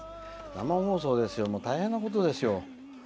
生放送ですよ、大変なことですよ。